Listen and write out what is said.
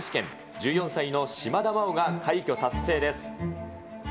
１４歳の島田麻央が快挙達成です。